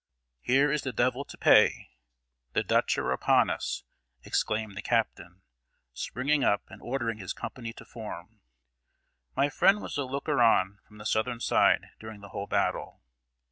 "Here is the devil to pay; the Dutch are upon us!" exclaimed the captain, springing up and ordering his company to form. My friend was a looker on from the Southern side during the whole battle.